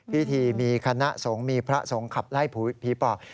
พิธีมีคณะทรงมีพระทรงขับไล่ผีปอบ